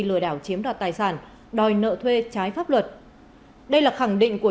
lừa đảo chiếm đoạt tài sản đòi nợ thuê trái pháp luật đây là khẳng định của